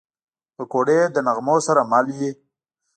پکورې له نغمو سره مل وي